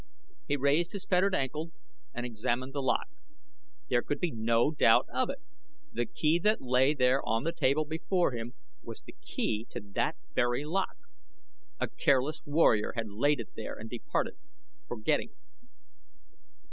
He raised his fettered ankle and examined the lock. There could be no doubt of it! The key that lay there on the table before him was the key to that very lock. A careless warrior had laid it there and departed, forgetting.